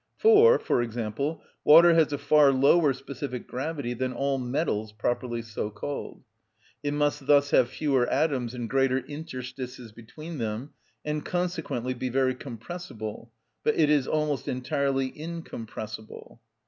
For, for example, water has a far lower specific gravity than all metals properly so called. It must thus have fewer atoms and greater interstices between them, and consequently be very compressible: but it is almost entirely incompressible.